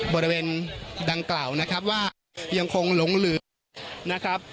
บริเวณดังกล่าวนะครับว่ายังคงหลงเหลือนะครับ